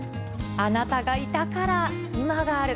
あなたがいたから今がある。